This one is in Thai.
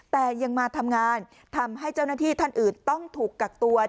แต่ยังมาทำงานทำให้เจ้าหน้าที่ท่านอื่นต้องถูกกักตัว